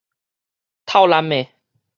透濫的